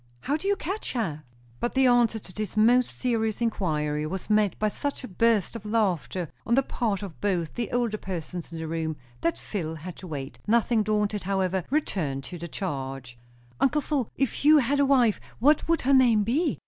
"How do you catch her?" But the answer to this most serious inquiry was met by such a burst of laughter on the part of both the older persons in the room, that Phil had to wait; nothing daunted, however, returned to the charge. "Uncle Phil, if you had a wife, what would her name be?"